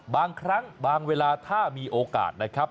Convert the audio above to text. บางครั้งบางเวลาถ้ามีโอกาสนะครับ